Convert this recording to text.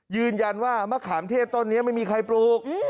ยืนยันว่ามะขามเทศต้นนี้ไม่มีใครปลูก